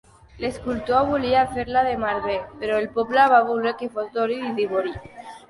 L'escultor volia fer-la de marbre, però el poble va voler que fos d'or i d'ivori.